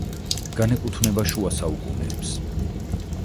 განეკუთვნება შუა საუკუნეებს.